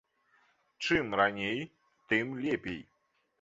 Чым раней, тым лепей.